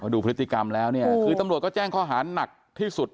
ดูพฤติกรรมแล้วเนี่ยคือตำรวจก็แจ้งข้อหาหนักที่สุด